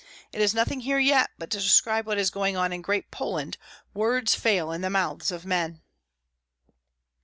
It is nothing here yet, but to describe what is going on in Great Poland words fail in the mouths of men."